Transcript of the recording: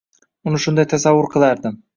Uni shunday tasavvur qilardim.